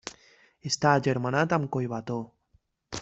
Està agermanat amb Collbató.